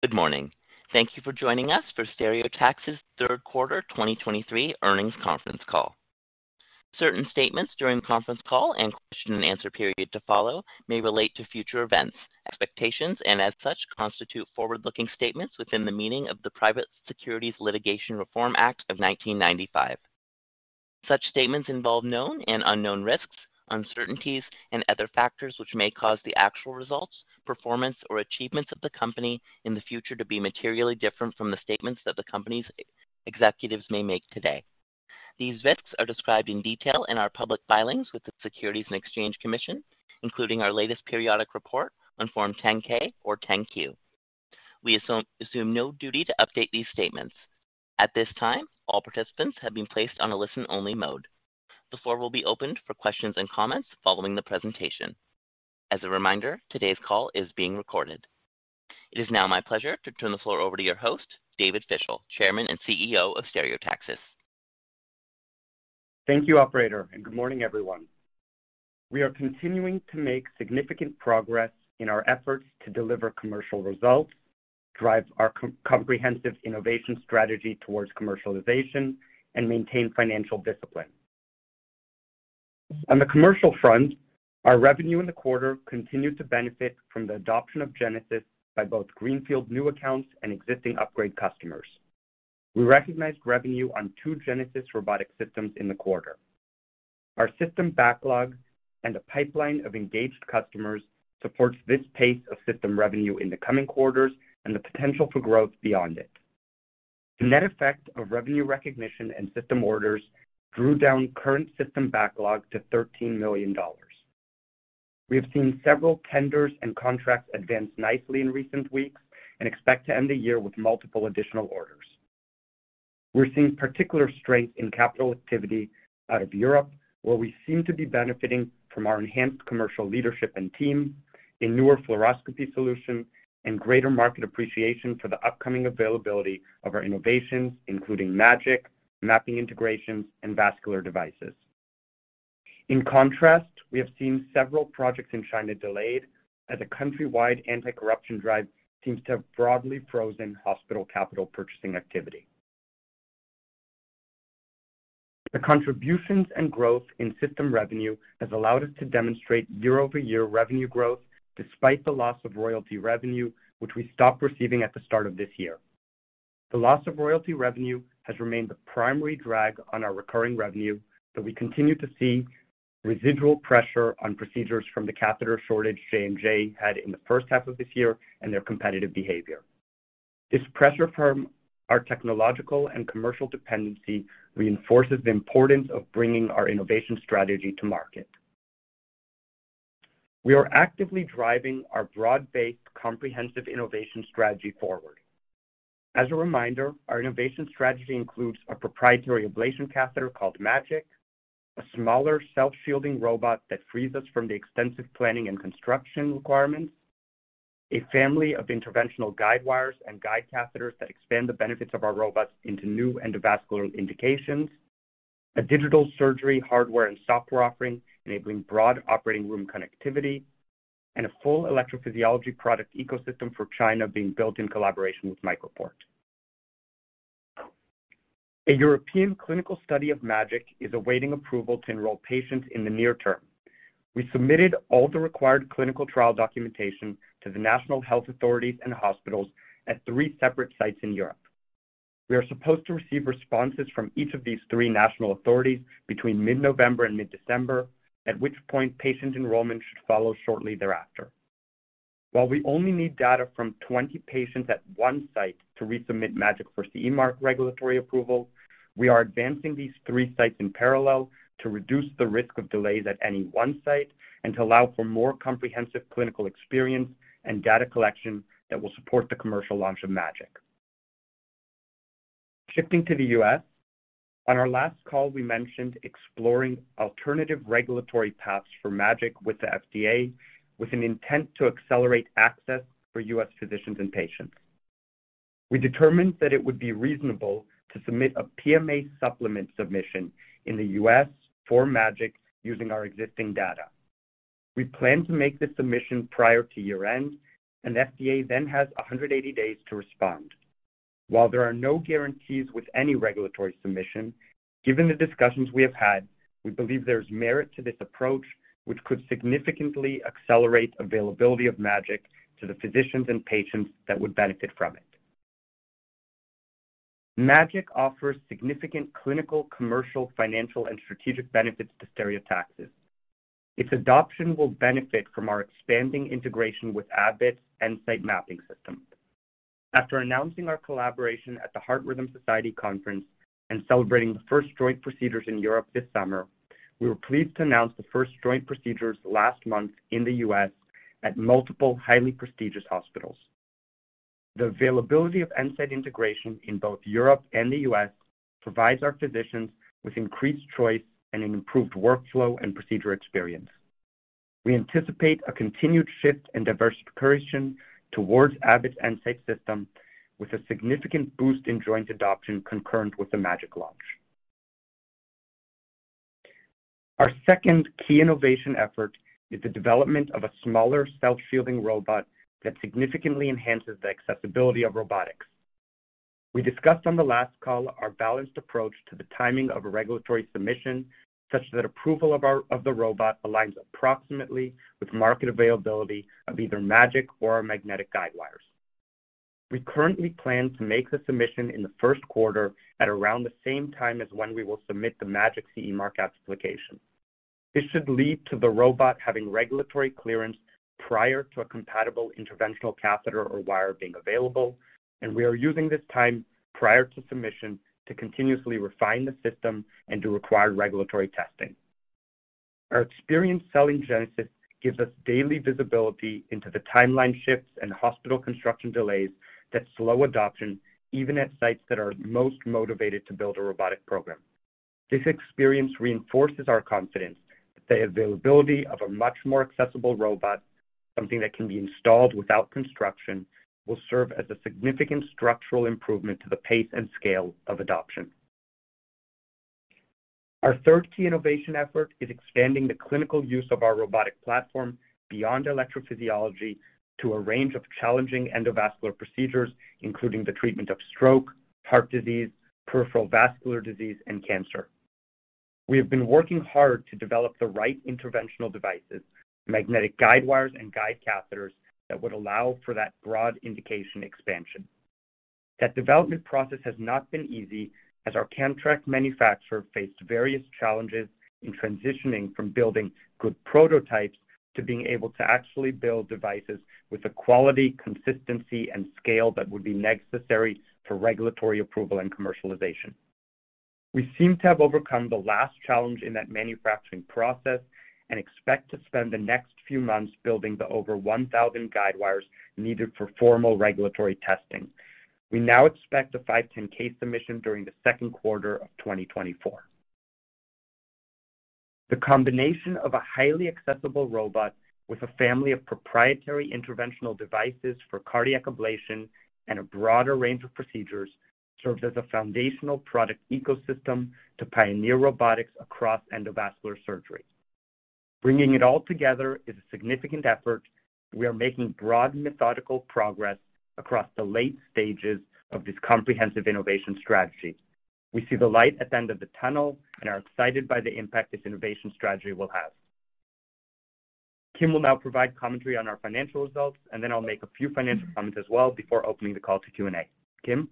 Good morning. Thank you for joining us for Stereotaxis's third quarter 2023 earnings conference call. Certain statements during the conference call and question and answer period to follow may relate to future events, expectations, and as such, constitute forward-looking statements within the meaning of the Private Securities Litigation Reform Act of 1995. Such statements involve known and unknown risks, uncertainties, and other factors, which may cause the actual results, performance, or achievements of the company in the future to be materially different from the statements that the company's executives may make today. These risks are described in detail in our public filings with the Securities and Exchange Commission, including our latest periodic report on Form 10-K or 10-Q. We assume no duty to update these statements. At this time, all participants have been placed on a listen-only mode. The floor will be opened for questions and comments following the presentation. As a reminder, today's call is being recorded. It is now my pleasure to turn the floor over to your host, David Fischel, Chairman and CEO of Stereotaxis. Thank you, operator, and good morning, everyone. We are continuing to make significant progress in our efforts to deliver commercial results, drive our comprehensive innovation strategy towards commercialization, and maintain financial discipline. On the commercial front, our revenue in the quarter continued to benefit from the adoption of Genesis by both greenfield new accounts and existing upgrade customers. We recognized revenue on two Genesis robotic systems in the quarter. Our system backlog and a pipeline of engaged customers supports this pace of system revenue in the coming quarters and the potential for growth beyond it. The net effect of revenue recognition and system orders drew down current system backlog to $13 million. We have seen several tenders and contracts advance nicely in recent weeks and expect to end the year with multiple additional orders. We're seeing particular strength in capital activity out of Europe, where we seem to be benefiting from our enhanced commercial leadership and team in newer fluoroscopy solutions and greater market appreciation for the upcoming availability of our innovations, including MAGiC, mapping integrations, and vascular devices. In contrast, we have seen several projects in China delayed, as a countrywide anti-corruption drive seems to have broadly frozen hospital capital purchasing activity. The contributions and growth in system revenue has allowed us to demonstrate year-over-year revenue growth despite the loss of royalty revenue, which we stopped receiving at the start of this year. The loss of royalty revenue has remained the primary drag on our recurring revenue, but we continue to see residual pressure on procedures from the catheter shortage J&J had in the first half of this year and their competitive behavior. This pressure from our technological and commercial dependency reinforces the importance of bringing our innovation strategy to market. We are actively driving our broad-based, comprehensive innovation strategy forward. As a reminder, our innovation strategy includes a proprietary ablation catheter called MAGiC, a smaller self-shielding robot that frees us from the extensive planning and construction requirements, a family of interventional guide wires and guide catheters that expand the benefits of our robots into new endovascular indications, a digital surgery, hardware, and software offering enabling broad operating room connectivity, and a full electrophysiology product ecosystem for China being built in collaboration with MicroPort. A European clinical study of MAGiC is awaiting approval to enroll patients in the near term. We submitted all the required clinical trial documentation to the national health authorities and hospitals at three separate sites in Europe. We are supposed to receive responses from each of these three national authorities between mid-November and mid-December, at which point patient enrollment should follow shortly thereafter. While we only need data from 20 patients at one site to resubmit MAGiC for CE Mark regulatory approval, we are advancing these three sites in parallel to reduce the risk of delays at any one site and to allow for more comprehensive clinical experience and data collection that will support the commercial launch of MAGiC. Shifting to the U.S., on our last call, we mentioned exploring alternative regulatory paths for MAGiC with the FDA, with an intent to accelerate access for U.S. physicians and patients. We determined that it would be reasonable to submit a PMA supplement submission in the U.S. for MAGiC using our existing data. We plan to make this submission prior to year-end, and FDA then has 180 days to respond. While there are no guarantees with any regulatory submission, given the discussions we have had, we believe there is merit to this approach, which could significantly accelerate availability of MAGiC to the physicians and patients that would benefit from it. MAGiC offers significant clinical, commercial, financial, and strategic benefits to Stereotaxis. Its adoption will benefit from our expanding integration with Abbott EnSite mapping system. After announcing our collaboration at the Heart Rhythm Society Conference and celebrating the first joint procedures in Europe this summer, we were pleased to announce the first joint procedures last month in the U.S. at multiple highly prestigious hospitals. The availability of EnSite integration in both Europe and the U.S. provides our physicians with increased choice and an improved workflow and procedure experience. We anticipate a continued shift in diversification towards Abbott EnSite system, with a significant boost in joint adoption concurrent with the MAGiC launch. Our second key innovation effort is the development of a smaller self-shielding robot that significantly enhances the accessibility of robotics. We discussed on the last call our balanced approach to the timing of a regulatory submission, such that approval of the robot aligns approximately with market availability of either MAGiC or our magnetic guide wires. We currently plan to make the submission in the first quarter at around the same time as when we will submit the MAGiC CE mark application. This should lead to the robot having regulatory clearance prior to a compatible interventional catheter or wire being available, and we are using this time prior to submission to continuously refine the system and to require regulatory testing. Our experience selling Genesis gives us daily visibility into the timeline shifts and hospital construction delays that slow adoption, even at sites that are most motivated to build a robotic program. This experience reinforces our confidence that the availability of a much more accessible robot, something that can be installed without construction, will serve as a significant structural improvement to the pace and scale of adoption. Our third key innovation effort is expanding the clinical use of our robotic platform beyond electrophysiology to a range of challenging endovascular procedures, including the treatment of stroke, heart disease, peripheral vascular disease, and cancer. We have been working hard to develop the right interventional devices, magnetic guide wires, and guide catheters that would allow for that broad indication expansion. That development process has not been easy, as our contract manufacturer faced various challenges in transitioning from building good prototypes to being able to actually build devices with the quality, consistency, and scale that would be necessary for regulatory approval and commercialization. We seem to have overcome the last challenge in that manufacturing process and expect to spend the next few months building the over 1,000 guide wires needed for formal regulatory testing. We now expect a 510(k) submission during the second quarter of 2024. The combination of a highly accessible robot with a family of proprietary interventional devices for cardiac ablation and a broader range of procedures, serves as a foundational product ecosystem to pioneer robotics across endovascular surgery. Bringing it all together is a significant effort. We are making broad, methodical progress across the late stages of this comprehensive innovation strategy. We see the light at the end of the tunnel and are excited by the impact this innovation strategy will have. Kim will now provide commentary on our financial results, and then I'll make a few financial comments as well before opening the call to Q&A. Kim?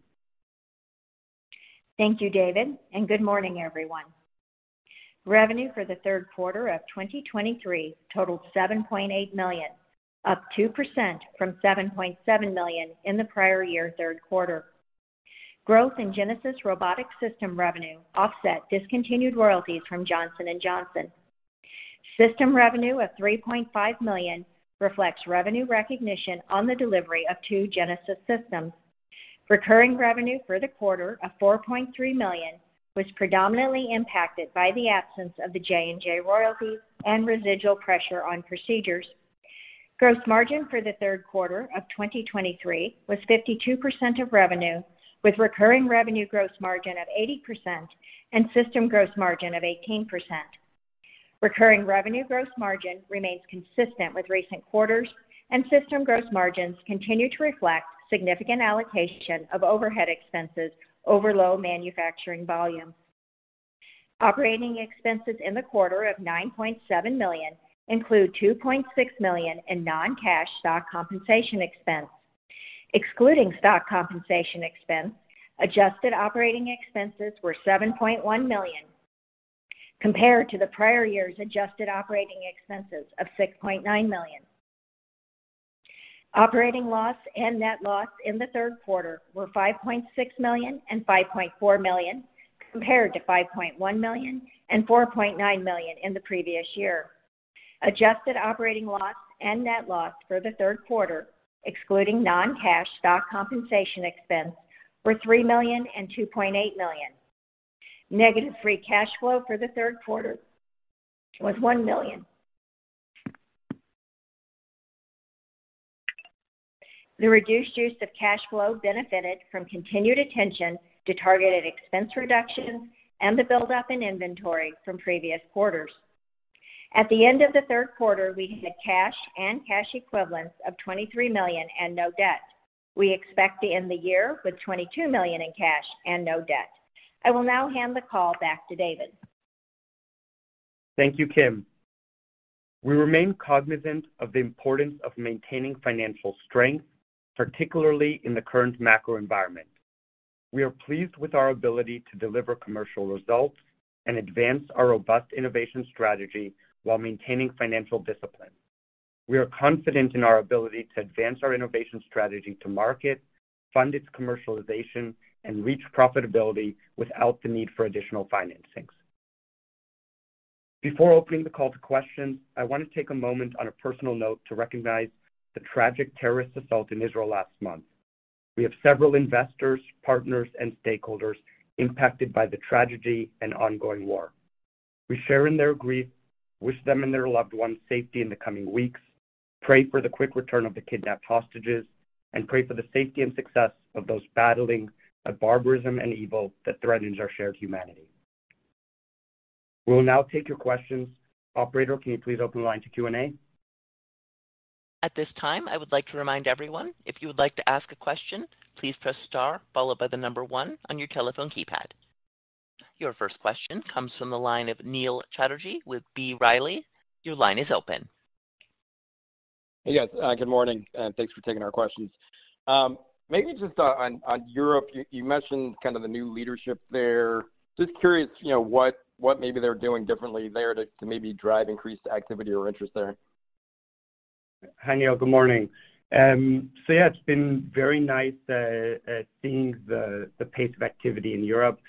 Thank you, David, and good morning, everyone. Revenue for the third quarter of 2023 totaled $7.8 million, up 2% from $7.7 million in the prior year third quarter. Growth in Genesis robotic system revenue offset discontinued royalties from Johnson & Johnson. System revenue of $3.5 million reflects revenue recognition on the delivery of 2 Genesis systems. Recurring revenue for the quarter of $4.3 million was predominantly impacted by the absence of the J&J royalties and residual pressure on procedures. Gross margin for the third quarter of 2023 was 52% of revenue, with recurring revenue gross margin of 80% and system gross margin of 18%. Recurring revenue gross margin remains consistent with recent quarters, and system gross margins continue to reflect significant allocation of overhead expenses over low manufacturing volumes. Operating expenses in the quarter of $9.7 million include $2.6 million in non-cash stock compensation expense. Excluding stock compensation expense, adjusted operating expenses were $7.1 million, compared to the prior year's adjusted operating expenses of $6.9 million. Operating loss and net loss in the third quarter were $5.6 million and $5.4 million, compared to $5.1 million and $4.9 million in the previous year. Adjusted operating loss and net loss for the third quarter, excluding non-cash stock compensation expense, were $3 million and $2.8 million. Negative free cash flow for the third quarter was $1 million. The reduced use of cash flow benefited from continued attention to targeted expense reductions and the buildup in inventory from previous quarters. At the end of the third quarter, we had cash and cash equivalents of $23 million and no debt. We expect to end the year with $22 million in cash and no debt. I will now hand the call back to David. Thank you, Kim. We remain cognizant of the importance of maintaining financial strength, particularly in the current macro environment. We are pleased with our ability to deliver commercial results and advance our robust innovation strategy while maintaining financial discipline. We are confident in our ability to advance our innovation strategy to market, fund its commercialization, and reach profitability without the need for additional financings. Before opening the call to questions, I want to take a moment on a personal note to recognize the tragic terrorist assault in Israel last month. We have several investors, partners, and stakeholders impacted by the tragedy and ongoing war. We share in their grief, wish them and their loved ones safety in the coming weeks, pray for the quick return of the kidnapped hostages, and pray for the safety and success of those battling the barbarism and evil that threatens our shared humanity. We will now take your questions. Operator, can you please open the line to Q&A? At this time, I would like to remind everyone, if you would like to ask a question, please press star followed by the number one on your telephone keypad. Your first question comes from the line of Neil Chatterji with B. Riley. Your line is open. Hey, guys. Good morning, and thanks for taking our questions. Maybe just on Europe, you mentioned kind of the new leadership there. Just curious, you know, what maybe they're doing differently there to maybe drive increased activity or interest there? Hi, Neil. Good morning. So yeah, it's been very nice at seeing the pace of activity in Europe.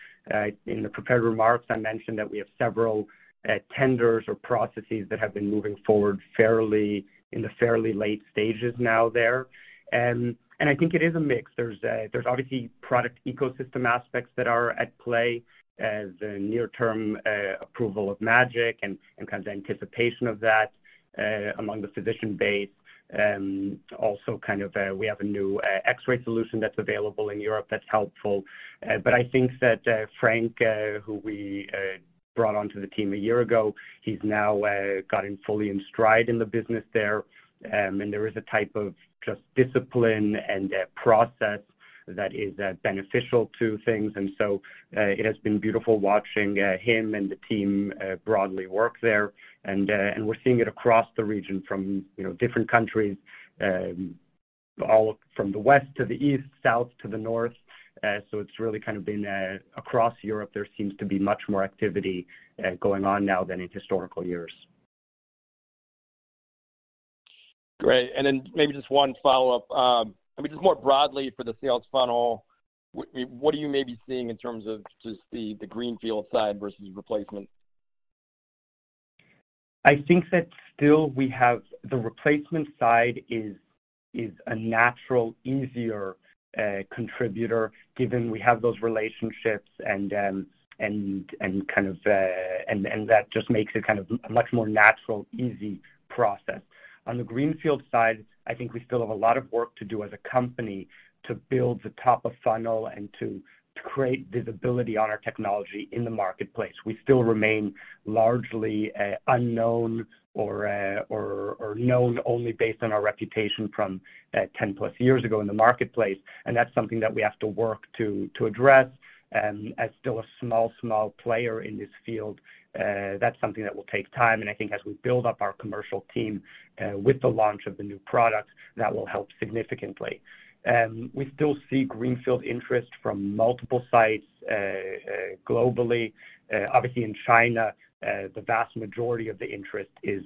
In the prepared remarks, I mentioned that we have several tenders or processes that have been moving forward fairly in the fairly late stages now there. And I think it is a mix. There's obviously product ecosystem aspects that are at play as a near-term approval of MAGiC and kind of the anticipation of that among the physician base. Also kind of we have a new X-ray solution that's available in Europe that's helpful. But I think that Frank who we brought onto the team a year ago, he's now gotten fully in stride in the business there. There is a type of just discipline and process that is beneficial to things. And so, it has been beautiful watching him and the team broadly work there. And we're seeing it across the region from, you know, different countries, all from the west to the east, south to the north. So it's really kind of been across Europe. There seems to be much more activity going on now than in historical years. Great. And then maybe just one follow-up. I mean, just more broadly for the sales funnel, what are you maybe seeing in terms of just the greenfield side versus replacement? I think that still we have the replacement side is a natural, easier contributor, given we have those relationships and that just makes it kind of a much more natural, easy process. On the greenfield side, I think we still have a lot of work to do as a company to build the top of funnel and to create visibility on our technology in the marketplace. We still remain largely unknown or known only based on our reputation from 10+ years ago in the marketplace, and that's something that we have to work to address. As still a small, small player in this field, that's something that will take time, and I think as we build up our commercial team, with the launch of the new product, that will help significantly. We still see greenfield interest from multiple sites, globally. Obviously in China, the vast majority of the interest is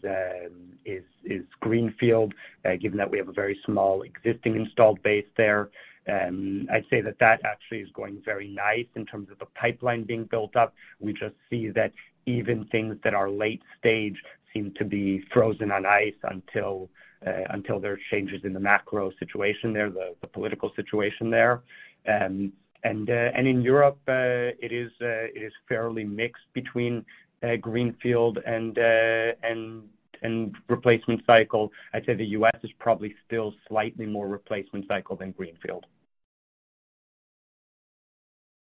greenfield, given that we have a very small existing installed base there. I'd say that actually is going very nice in terms of the pipeline being built up. We just see that even things that are late stage seem to be frozen on ice until there are changes in the macro situation there, the political situation there. In Europe, it is fairly mixed between greenfield and replacement cycle. I'd say the U.S. is probably still slightly more replacement cycle than greenfield.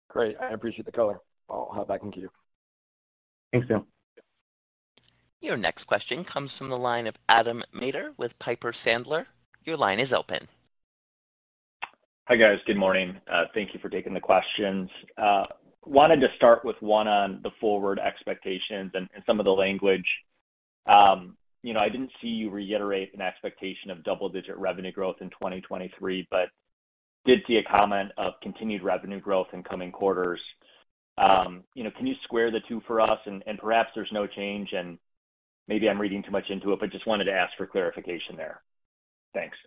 Great. I appreciate the color. I'll hop back into you. Thanks, Neil. Your next question comes from the line of Adam Maeder with Piper Sandler. Your line is open. Hi, guys. Good morning. Thank you for taking the questions. Wanted to start with one on the forward expectations and some of the language. You know, I didn't see you reiterate an expectation of double-digit revenue growth in 2023, but did see a comment of continued revenue growth in coming quarters. You know, can you square the two for us? And perhaps there's no change, and maybe I'm reading too much into it, but just wanted to ask for clarification there. Thanks.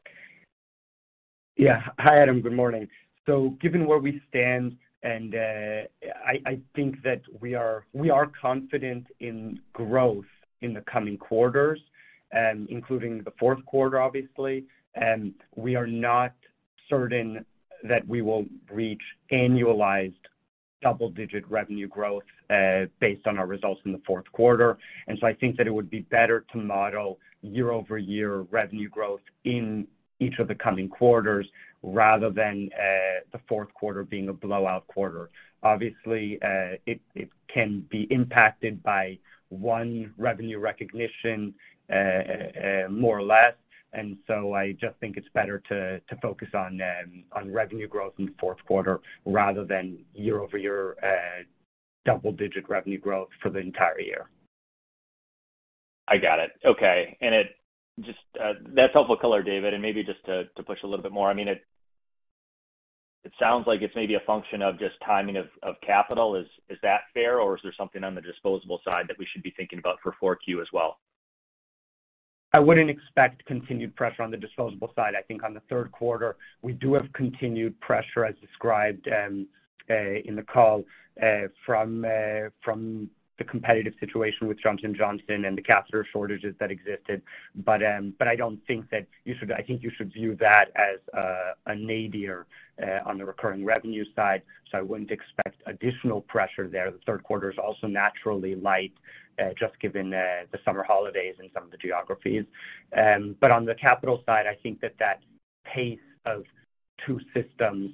Yeah. Hi, Adam. Good morning. So given where we stand and I think that we are confident in growth in the coming quarters, including the fourth quarter, obviously, we are not certain that we will reach annualized double-digit revenue growth based on our results in the fourth quarter. And so I think that it would be better to model year-over-year revenue growth in each of the coming quarters, rather than the fourth quarter being a blowout quarter. Obviously, it can be impacted by one revenue recognition more or less. And so I just think it's better to focus on revenue growth in the fourth quarter rather than year-over-year double-digit revenue growth for the entire year. I got it. Okay. And it just... That's helpful color, David. And maybe just to push a little bit more, I mean, it sounds like it's maybe a function of just timing of capital. Is that fair, or is there something on the disposable side that we should be thinking about for 4Q as well? I wouldn't expect continued pressure on the disposable side. I think on the third quarter, we do have continued pressure, as described, in the call, from the competitive situation with Johnson & Johnson and the catheter shortages that existed. But I don't think that you should—I think you should view that as a nadir on the recurring revenue side, so I wouldn't expect additional pressure there. The third quarter is also naturally light, just given the summer holidays in some of the geographies. But on the capital side, I think that pace of 2 systems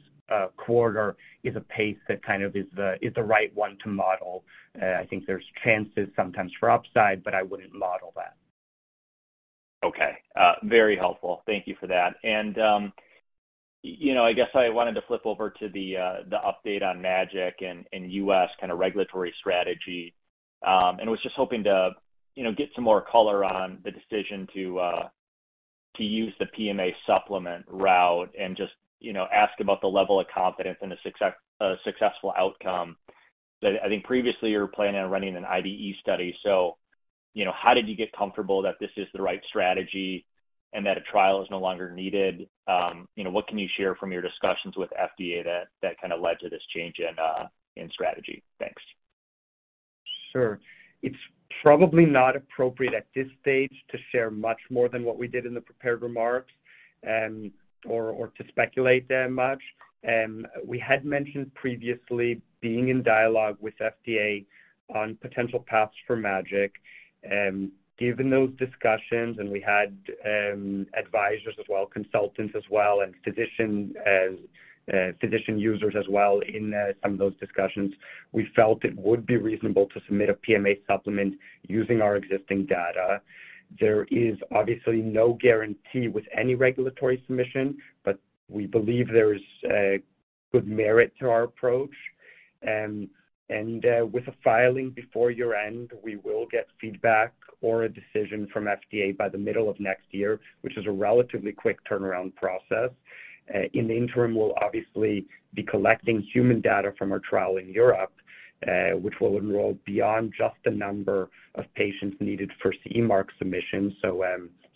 quarter is a pace that kind of is the right one to model. I think there's chances sometimes for upside, but I wouldn't model that. Okay, very helpful. Thank you for that. And, you know, I guess I wanted to flip over to the, the update on MAGiC and US kind of regulatory strategy. And was just hoping to, you know, get some more color on the decision to use the PMA supplement route and just, you know, ask about the level of confidence in a successful outcome. That, I think previously you were planning on running an IDE study, so, you know, how did you get comfortable that this is the right strategy and that a trial is no longer needed? You know, what can you share from your discussions with FDA that kind of led to this change in strategy? Thanks. Sure. It's probably not appropriate at this stage to share much more than what we did in the prepared remarks, or to speculate that much. We had mentioned previously being in dialogue with FDA on potential paths for MAGiC. Given those discussions, and we had advisors as well, consultants as well, and physician users as well in some of those discussions, we felt it would be reasonable to submit a PMA supplement using our existing data. There is obviously no guarantee with any regulatory submission, but we believe there is a good merit to our approach. And, with a filing before year-end, we will get feedback or a decision from FDA by the middle of next year, which is a relatively quick turnaround process. In the interim, we'll obviously be collecting human data from our trial in Europe, which will enroll beyond just the number of patients needed for CE Mark submission. So,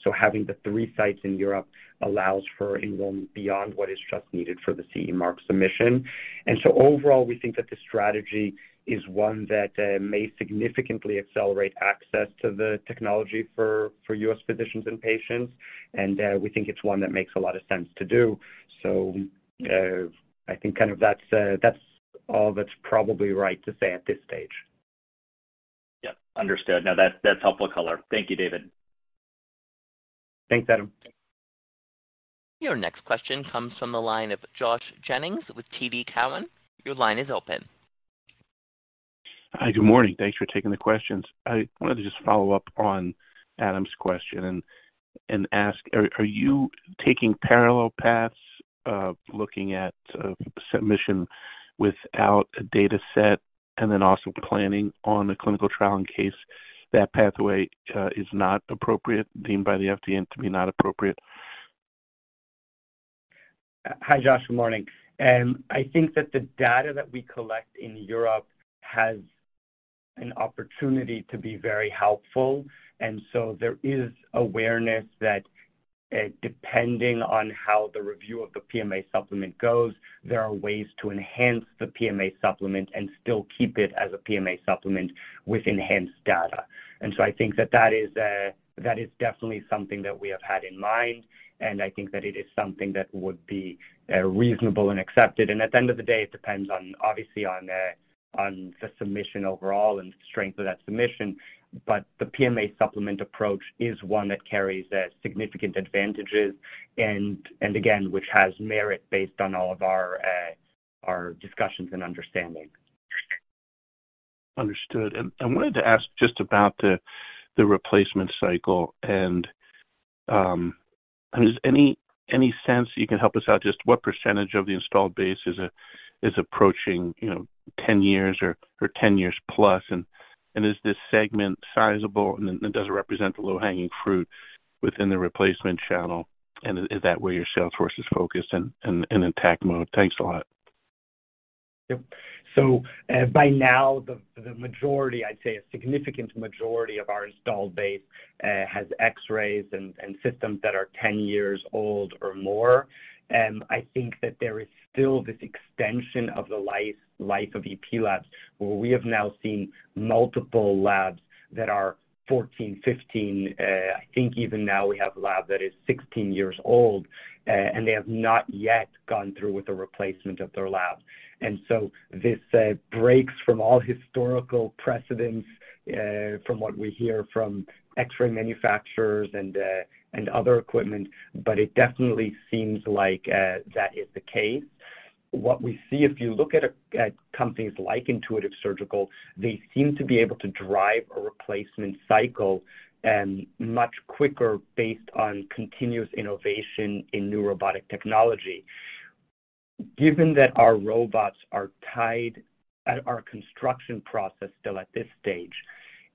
so having the three sites in Europe allows for enrollment beyond what is just needed for the CE Mark submission. And so overall, we think that the strategy is one that may significantly accelerate access to the technology for U.S. physicians and patients, and we think it's one that makes a lot of sense to do. So, I think kind of that's that's all that's probably right to say at this stage. Yep, understood. No, that's helpful color. Thank you, David. Thanks, Adam. Your next question comes from the line of Josh Jennings with TD Cowen. Your line is open. Hi, good morning. Thanks for taking the questions. I wanted to just follow up on Adam's question and ask: Are you taking parallel paths, looking at submission without a data set and then also planning on a clinical trial in case that pathway is not appropriate, deemed by the FDA to be not appropriate? Hi, Josh. Good morning. I think that the data that we collect in Europe has an opportunity to be very helpful, and so there is awareness that, depending on how the review of the PMA supplement goes, there are ways to enhance the PMA supplement and still keep it as a PMA supplement with enhanced data. And so I think that that is, that is definitely something that we have had in mind, and I think that it is something that would be, reasonable and accepted. And at the end of the day, it depends on, obviously on, on the submission overall and strength of that submission. But the PMA supplement approach is one that carries, significant advantages and, and again, which has merit based on all of our, our discussions and understanding. Understood. And I wanted to ask just about the replacement cycle, and is any sense you can help us out, just what percentage of the installed base is approaching, you know, 10 years or 10 years plus? And is this segment sizable, and does it represent the low-hanging fruit within the replacement channel? And is that where your sales force is focused and in attack mode? Thanks a lot. Yep. So, by now, the majority, I'd say a significant majority of our installed base has X-rays and systems that are 10 years old or more. And I think that there is still this extension of the life of EP labs, where we have now seen multiple labs that are 14, 15. I think even now we have a lab that is 16 years old, and they have not yet gone through with the replacement of their labs. And so this breaks from all historical precedents, from what we hear from X-ray manufacturers and other equipment, but it definitely seems like that is the case. What we see, if you look at a... At companies like Intuitive Surgical, they seem to be able to drive a replacement cycle, much quicker based on continuous innovation in new robotic technology. Given that our robots are tied at our construction process still at this stage,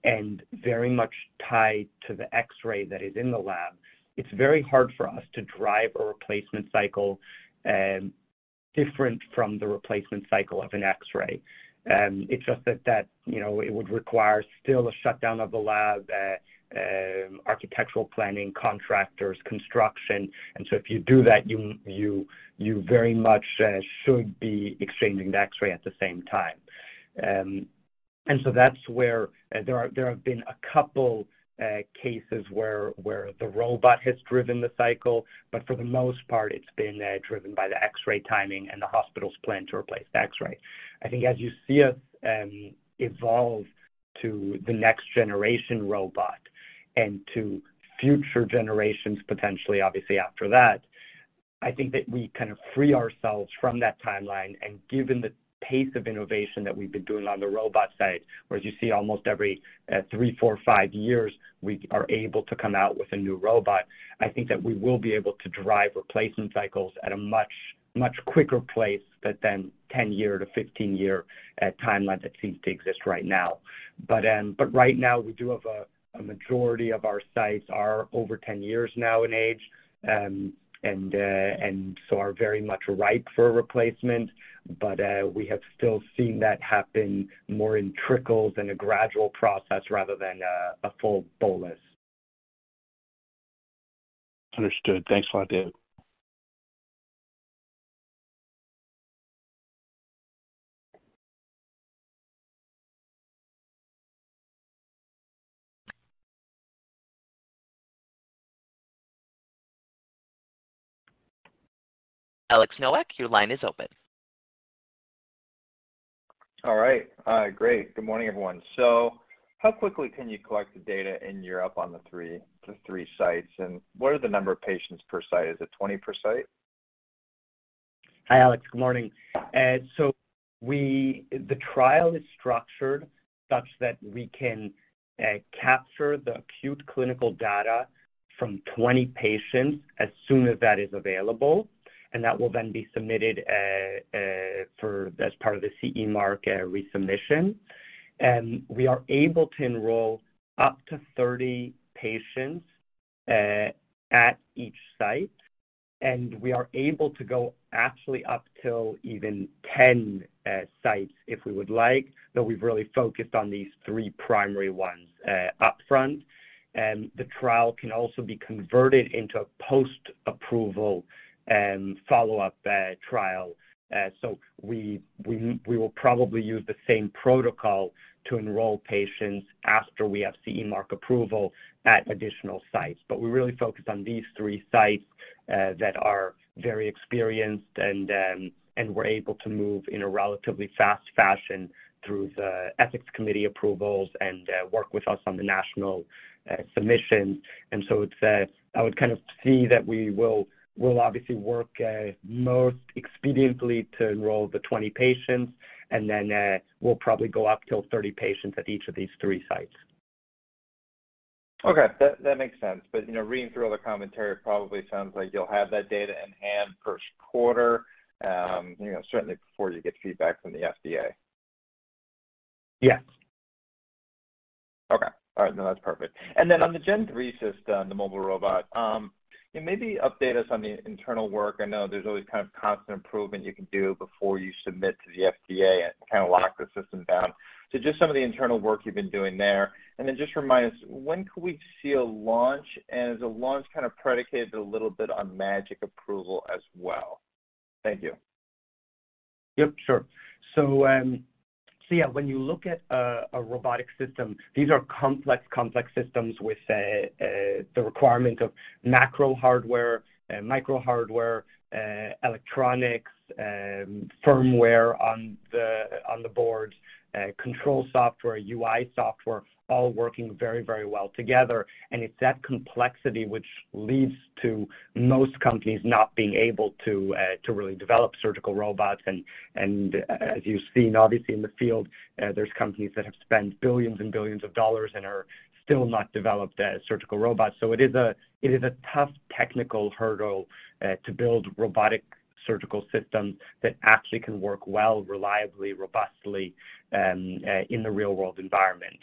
and very much tied to the X-ray that is in the lab, it's very hard for us to drive a replacement cycle, different from the replacement cycle of an X-ray. It's just that, you know, it would require still a shutdown of the lab, architectural planning, contractors, construction. And so if you do that, you very much should be exchanging the X-ray at the same time. And so that's where there have been a couple cases where, where the robot has driven the cycle, but for the most part, it's been driven by the X-ray timing and the hospital's plan to replace the X-ray. I think as you see us evolve to the next generation robot and to future generations, potentially, obviously after that. I think that we kind of free ourselves from that timeline. And given the pace of innovation that we've been doing on the robot side, whereas you see almost every three, four, five years, we are able to come out with a new robot, I think that we will be able to drive replacement cycles at a much, much quicker pace, but then 10-year to 15-year timeline that seems to exist right now. But right now, we do have a majority of our sites are over 10 years now in age, and so are very much ripe for replacement. But we have still seen that happen more in trickles and a gradual process rather than a full bolus. Understood. Thanks a lot, David. Alex Nowak, your line is open. All right, great. Good morning, everyone. So how quickly can you collect the data in Europe on the three sites? And what are the number of patients per site? Is it 20 per site? Hi, Alex. Good morning. So the trial is structured such that we can capture the acute clinical data from 20 patients as soon as that is available, and that will then be submitted for, as part of the CE Mark resubmission. And we are able to enroll up to 30 patients at each site, and we are able to go actually up till even 10 sites if we would like, but we've really focused on these three primary ones up front. The trial can also be converted into a post-approval follow-up trial. So we will probably use the same protocol to enroll patients after we have CE Mark approval at additional sites. But we're really focused on these three sites that are very experienced and we're able to move in a relatively fast fashion through the ethics committee approvals and work with us on the national submission. And so it's I would kind of see that we will obviously work most expediently to enroll the 20 patients, and then we'll probably go up to 30 patients at each of these three sites. Okay, that, that makes sense. But, you know, reading through all the commentary, it probably sounds like you'll have that data in hand first quarter, you know, certainly before you get feedback from the FDA. Yes. Okay. All right. No, that's perfect. And then on the Gen 3 system, the mobile robot, maybe update us on the internal work. I know there's always kind of constant improvement you can do before you submit to the FDA and kind of lock the system down. So just some of the internal work you've been doing there, and then just remind us, when could we see a launch? And is a launch kind of predicated a little bit on MAGiC approval as well? Thank you. Yep, sure. So, so yeah, when you look at a robotic system, these are complex systems with the requirement of macro hardware and micro hardware, electronics, firmware on the boards, control software, UI software, all working very, very well together. And it's that complexity which leads to most companies not being able to to really develop surgical robots. And as you've seen, obviously in the field, there's companies that have spent $ billions and billions and are still not developed as surgical robots. So it is a tough technical hurdle to build robotic surgical systems that actually can work well, reliably, robustly, in the real-world environment.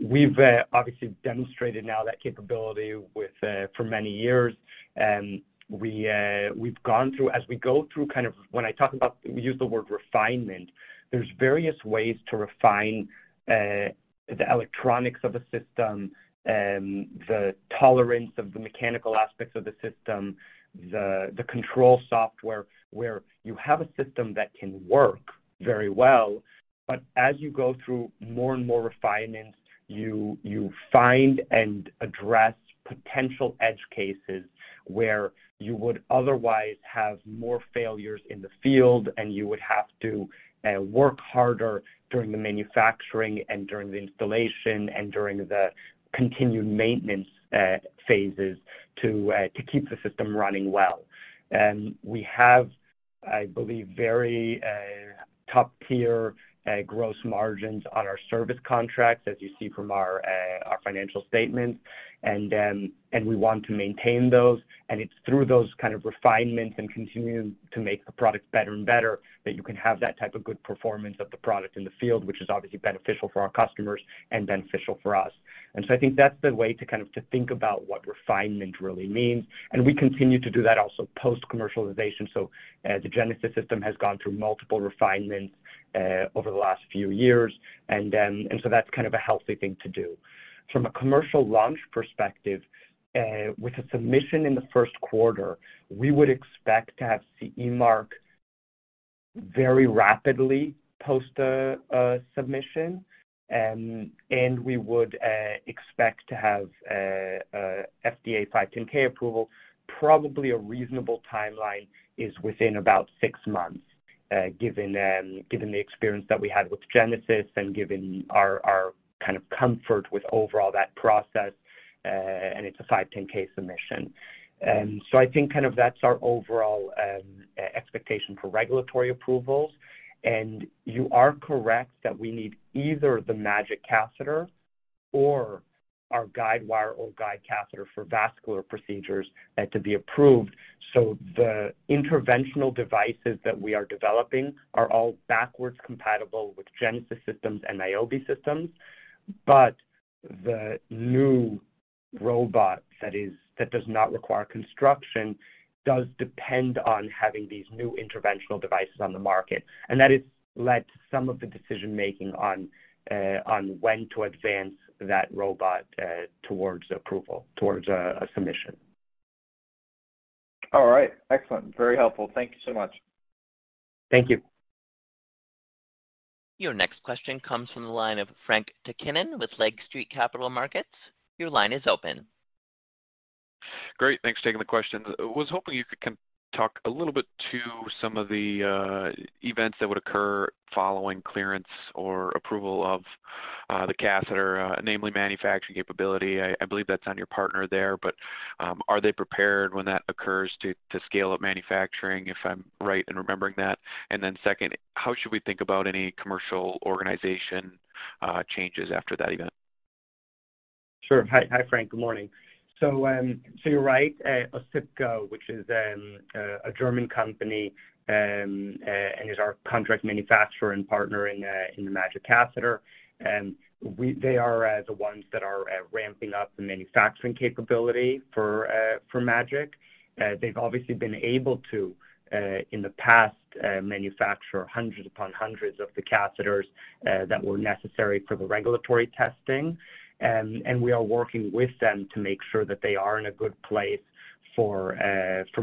We've obviously demonstrated now that capability with for many years. We've gone through, as we go through, kind of when I talk about, we use the word refinement, there's various ways to refine the electronics of a system, the tolerance of the mechanical aspects of the system, the control software, where you have a system that can work very well, but as you go through more and more refinements, you find and address potential edge cases where you would otherwise have more failures in the field, and you would have to work harder during the manufacturing and during the installation and during the continued maintenance phases to keep the system running well. And we have, I believe, very top-tier gross margins on our service contracts, as you see from our financial statements. We want to maintain those, and it's through those kind of refinements and continuing to make the product better and better, that you can have that type of good performance of the product in the field, which is obviously beneficial for our customers and beneficial for us. And so I think that's the way to kind of to think about what refinement really means. And we continue to do that also post-commercialization. So the Genesis system has gone through multiple refinements over the last few years. And so that's kind of a healthy thing to do. From a commercial launch perspective, with a submission in the first quarter, we would expect to have CE Mark very rapidly post submission, and we would expect to have a FDA 510(k) approval. Probably a reasonable timeline is within about six months, given, given the experience that we had with Genesis and given our, our kind of comfort with overall that process, and it's a 510(k) submission. And so I think kind of that's our overall expectation for regulatory approvals. And you are correct that we need either the MAGiC catheter or our guide wire or guide catheter for vascular procedures to be approved. So the interventional devices that we are developing are all backwards compatible with Genesis systems and Niobe systems. But the new robot that is, that does not require construction, does depend on having these new interventional devices on the market. And that has led to some of the decision-making on, on when to advance that robot towards approval, towards a submission. All right. Excellent. Very helpful. Thank you so much. Thank you. Your next question comes from the line of Frank Takkinen with Lake Street Capital Markets. Your line is open. Great, thanks for taking the question. I was hoping you could talk a little bit to some of the events that would occur following clearance or approval of the catheter, namely manufacturing capability. I believe that's on your partner there, but, are they prepared when that occurs to scale up manufacturing, if I'm right in remembering that? And then second, how should we think about any commercial organization changes after that event? Sure. Hi, hi, Frank. Good morning. So, so you're right. Osypka, which is a German company, and is our contract manufacturer and partner in the MAGiC catheter. And we, they are the ones that are ramping up the manufacturing capability for MAGiC. They've obviously been able to, in the past, manufacture hundreds upon hundreds of the catheters that were necessary for the regulatory testing. And we are working with them to make sure that they are in a good place for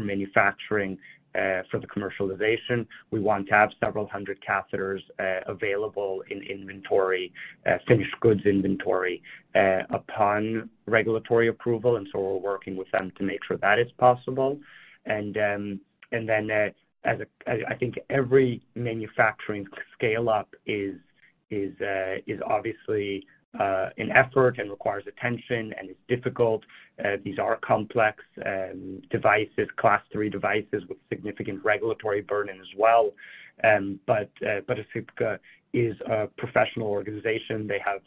manufacturing for the commercialization. We want to have several hundred catheters available in inventory, finished goods inventory, upon regulatory approval, and so we're working with them to make sure that is possible. And then, and then, as a... I think every manufacturing scale-up is obviously an effort and requires attention and is difficult. These are complex devices, Class III devices, with significant regulatory burden as well. But Osypka is a professional organization. They have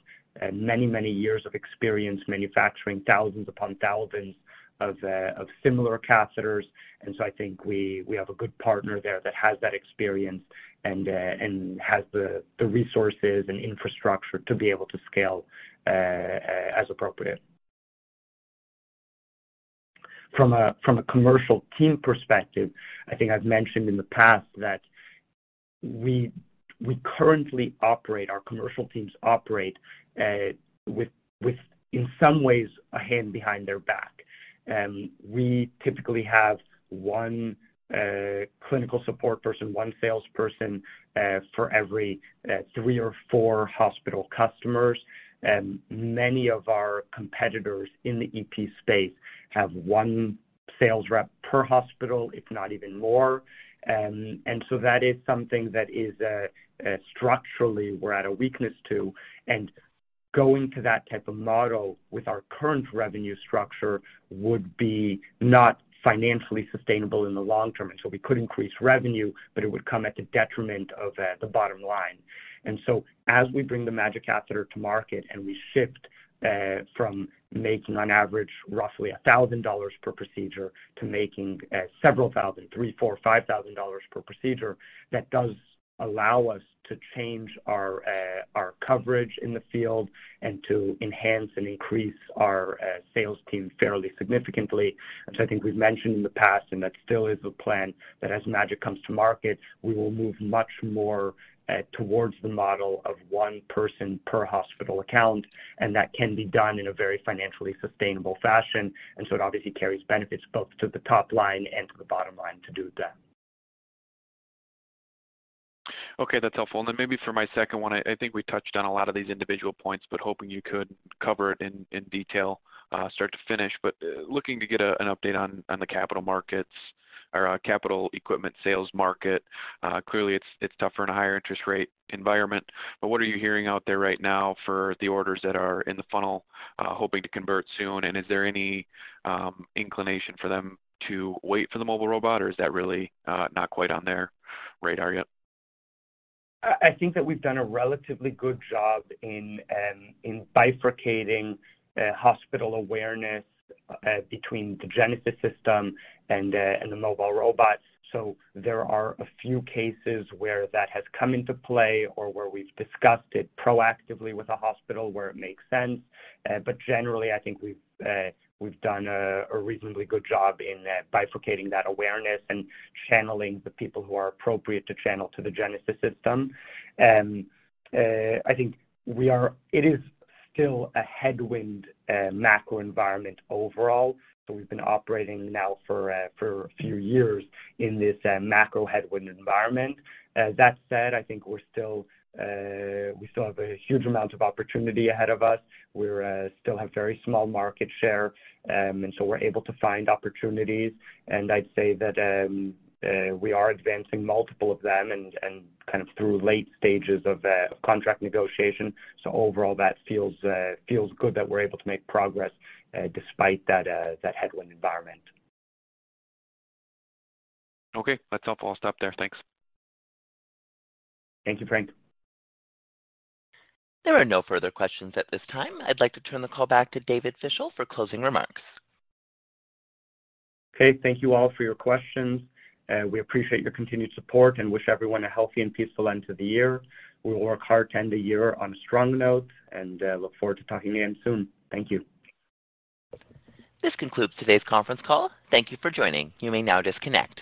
many, many years of experience manufacturing thousands upon thousands of similar catheters. And so I think we have a good partner there that has that experience and has the resources and infrastructure to be able to scale as appropriate. From a commercial team perspective, I think I've mentioned in the past that we currently operate, our commercial teams operate with, in some ways, a hand behind their back. We typically have one clinical support person, one salesperson for every three or four hospital customers. Many of our competitors in the EP space have one sales rep per hospital, if not even more. And so that is something that is, structurally, we're at a weakness to. And going to that type of model with our current revenue structure would be not financially sustainable in the long term. And so we could increase revenue, but it would come at the detriment of the bottom line. And so as we bring the MAGiC catheter to market, and we shift from making, on average, roughly $1,000 per procedure, to making several thousand, $3,000, $4,000, $5,000 per procedure, that does allow us to change our our coverage in the field and to enhance and increase our sales team fairly significantly. And so I think we've mentioned in the past, and that still is a plan, that as MAGiC comes to market, we will move much more towards the model of one person per hospital account, and that can be done in a very financially sustainable fashion. And so it obviously carries benefits both to the top line and to the bottom line to do that. Okay, that's helpful. And then maybe for my second one, I think we touched on a lot of these individual points, but hoping you could cover it in detail, start to finish. But looking to get an update on the capital markets or capital equipment sales market. Clearly, it's tougher in a higher interest rate environment, but what are you hearing out there right now for the orders that are in the funnel, hoping to convert soon? And is there any inclination for them to wait for the mobile robot, or is that really not quite on their radar yet? I think that we've done a relatively good job in bifurcating hospital awareness between the Genesis system and the mobile robots. So there are a few cases where that has come into play or where we've discussed it proactively with a hospital where it makes sense. But generally, I think we've done a reasonably good job in bifurcating that awareness and channeling the people who are appropriate to channel to the Genesis system. I think we are it is still a headwind macro environment overall, so we've been operating now for a few years in this macro headwind environment. That said, I think we're still we still have a huge amount of opportunity ahead of us. We're still have very small market share, and so we're able to find opportunities. And I'd say that, we are advancing multiple of them and, and kind of through late stages of, of contract negotiation. So overall, that feels, feels good that we're able to make progress, despite that, that headwind environment. Okay, that's helpful. I'll stop there. Thanks. Thank you, Frank. There are no further questions at this time. I'd like to turn the call back to David Fischel for closing remarks. Okay. Thank you all for your questions, and we appreciate your continued support and wish everyone a healthy and peaceful end to the year. We will work hard to end the year on a strong note and look forward to talking again soon. Thank you. This concludes today's conference call. Thank you for joining. You may now disconnect.